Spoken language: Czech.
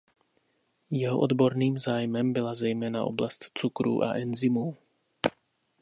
Jeho odborným zájmem byla zejména oblast cukrů a enzymů.